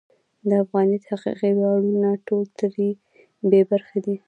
د افغانیت حقیقي ویاړونه ټول ترې بې برخې دي.